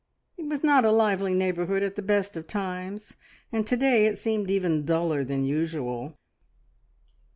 It was not a lively neighbourhood at the best of times, and to day it seemed even duller than usual.